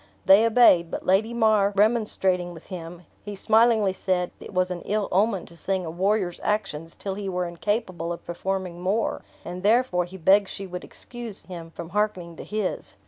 They obeyed; but Lady mar remonstrating with him, he smilingly said, it was an ill omen to sing a warrior's actions till he were incapable of performing more; and therefore he begged she would excuse him from hearkening to his.